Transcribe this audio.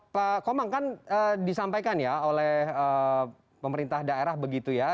pak komang kan disampaikan ya oleh pemerintah daerah begitu ya